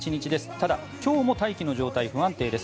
ただ、今日も大気の状態が不安定です。